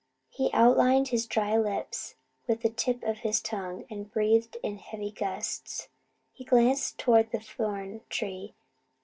He outlined his dry lips with the tip of his tongue, and breathed in heavy gusts. He glanced toward the thorn tree.